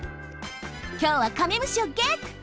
きょうはカメムシをゲット！